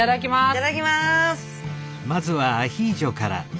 いただきます。